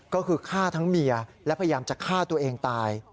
ก็คือฆ่าทั้งเมียและพยายามจะฆ่าตัวเองตาย